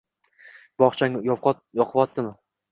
Bog'chang yoqvottimi?